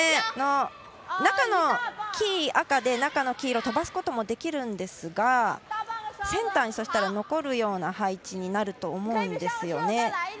中の黄、赤で中の黄色を飛ばすこともできるんですがセンターに残るような配置になると思うんですよね